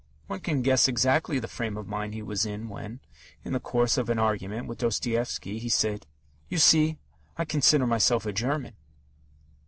One can guess exactly the frame of mind he was in when, in the course of an argument with Dostoevsky, he said: "You see, I consider myself a German."